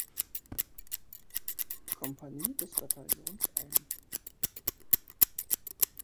Kompanie des Bataillons ein.